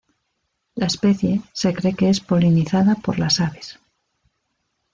La especie se cree que es polinizada por las aves.